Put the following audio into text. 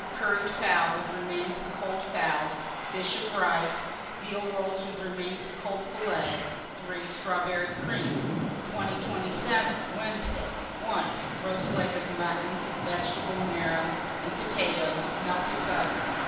Curried fowl with remains of cold fowls, dish of rice, veal rolls with remains of cold fillet. 3. Strawberry cream. 2027. Wednesday. 1. Roast leg of mutton, vegetable marrow, and potatoes, melted butter.